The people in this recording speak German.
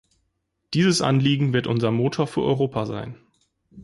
Dieses Anliegen wird unser Motor für Europa sein.